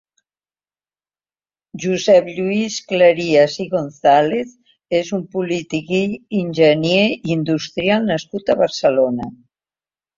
Josep Lluís Cleries i Gonzàlez és un polític i enginyer industrial nascut a Barcelona.